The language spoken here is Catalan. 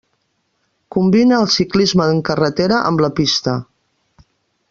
Combina el ciclisme en carretera amb la pista.